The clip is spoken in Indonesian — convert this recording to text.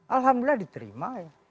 alhamdulillah diterima ya